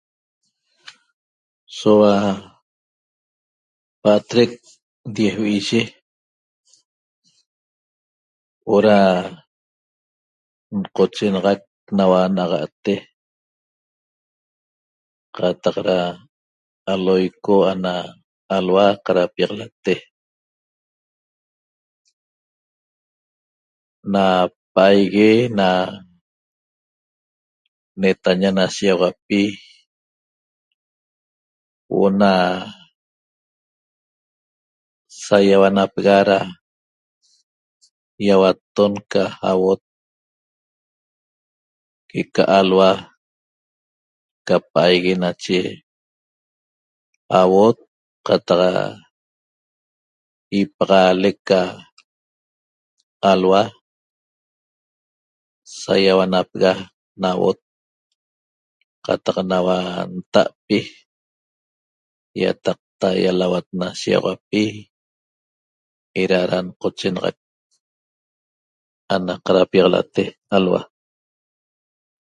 Soua pa'atrec diez vi'iyi huo'o da nqochenaxac naua na'axa'te qataq da aloico ana alhua qadapiaxalate na pa'aigue na netaña na shiýaxauapi huo'o na saýauapega da saýauatton ca auot que'eca alhua ca pa'aigue nache auot qataq ipaxaalec ca alhua saýauanapega na auot qataq naua nta'pi ýataqta ýalauat na shiýaxauapi eda da nqochenaxac ana qadapiaxalate alhua